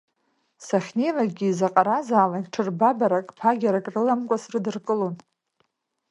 Сахьнеилакгьы изаҟаразаалак ҽырбабарак, ԥагьарак рыламкәа срыдыркылон.